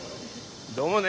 どうもね。